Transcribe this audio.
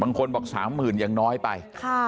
บางคนบอก๓๐๐๐อย่างน้อยไป